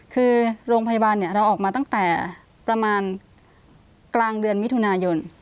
คือโรงพยาบาลเราออกมาตั้งแต่ประมาณกลางเดือนมิถุนายน